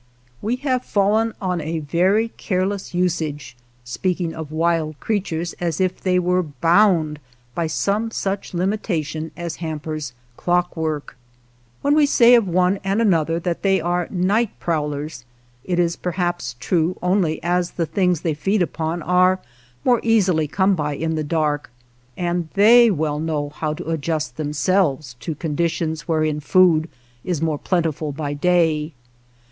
We have fallen on a very careless usage, speaking of wild creatures as if they were bound b^^ some such limitation as hampers clockwork. When we say of one and an 29 WATER TRAILS OF THE CERISO Other, they are night prowlers, it is perhaps true only as the things they feed upon are more easily come by in the dark, and they know well how to adjust themselves to con ditions wherein food is more plentiful by day.